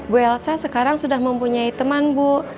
bu elsa sekarang sudah mempunyai teman bu